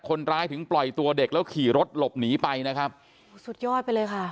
คนร้ายถึงปล่อยตัวเด็กแล้วขี่รถหลบหนีไปนะครับสุดยอดไปเลยค่ะ